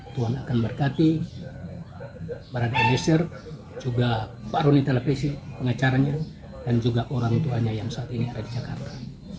tuhan akan berkati barada eliezer juga pak roni televisi pengacaranya dan juga orang tuanya yang saat ini ada di jakarta